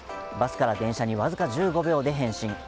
バスから電車にわずか１５秒で変身。